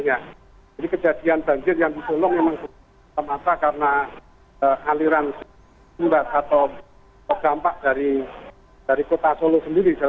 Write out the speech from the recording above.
ada beberapa bantuan yang salurkan ke titik titik pengusian